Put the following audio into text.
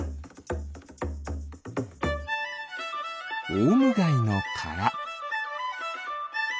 オウムガイのから。